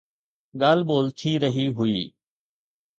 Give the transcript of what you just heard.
ڳالهه ٻولهه ٿي رهي هئي